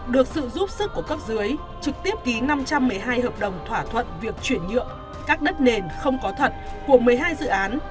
được sự giúp sức của cấp dưới trực tiếp ký năm trăm một mươi hai hợp đồng thỏa thuận việc chuyển nhượng các đất nền không có thật của một mươi hai dự án